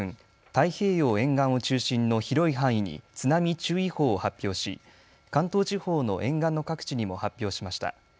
太平洋沿岸を中心の広い範囲に津波注意報を発表し関東地方の沿岸の各地にも発表しました。